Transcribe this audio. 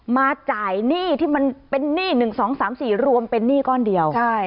มาจ่ายหนี้ที่มันเป็นหนี้๑๒๓๔รวมเป็นหนี้ก้อนเดียวใช่